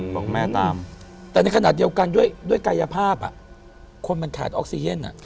บอกแม่ตามแต่ในขณะเดียวกันด้วยกายภาพคนมันขาดออกซีเย็น